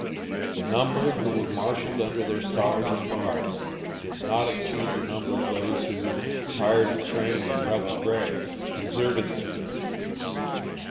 The number who were marshalled under their stars and bars did not exceed the number of those who, tired of training in Rebel gray, deserted their banner.